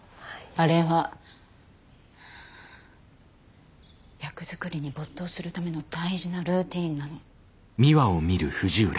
あれは役作りに没頭するための大事なルーティーンなの。